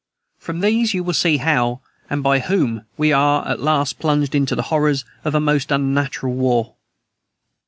"From these you will see how, and by whom, we are at last plunged into the horrors of a most unnatural war.